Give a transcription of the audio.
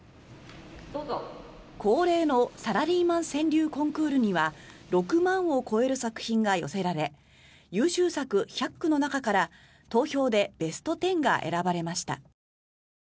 恒例のサラリーマン川柳コンクールには６万を超える作品が寄せられ優秀作１００句の中から、投票でベスト１０が選ばれました。